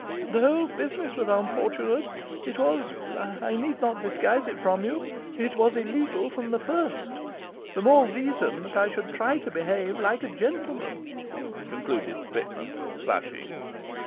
'The whole business was unfortunate; it was I need not disguise it from you it was illegal from the first: the more reason that I should try to behave like a gentleman,' concluded Pitman, flushing.